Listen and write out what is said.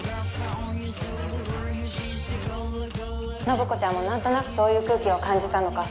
信子ちゃんもなんとなくそういう空気を感じたのか